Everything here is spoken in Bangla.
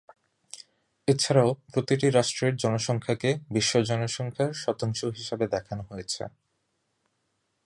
এছাড়াও প্রতিটি রাষ্ট্রের জনসংখ্যাকে বিশ্ব জনসংখ্যার শতাংশ হিসেবে দেখানো হয়েছে।